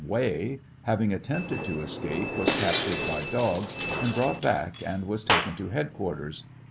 Way, having attempted to escape, was captured by dogs and brought back, and was taken to headquarters.